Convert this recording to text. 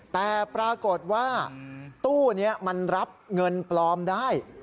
แต่ปรากฏว่าตู้นี้มันรับเงินปลอมได้